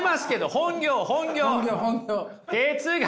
本業本業！